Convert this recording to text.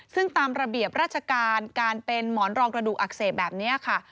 ซึ่งตามระเบียบราชการการเป็นหมอนรองกระดูกอักเสบแบบนี้ค่ะ